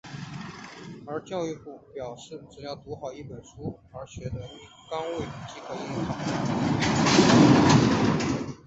而教育部表示只要读好一本而学得一纲即可应考。